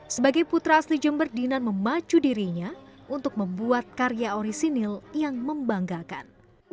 sebagai putra asli jember dinan memacu dirinya untuk membuat karya orisinil yang membanggakan